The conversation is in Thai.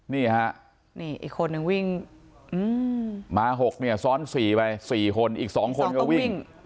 นี่ฮะนี่อีกคนนึงวิ่งมา๖เนี่ยซ้อน๔ไป๔คนอีก๒คนก็วิ่ง